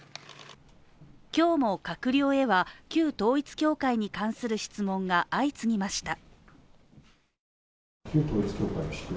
今日も閣僚へは旧統一教会に関する質問が相次ぎました。